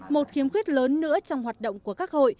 một kiếm quyết lớn nữa trong hoạt động của các hội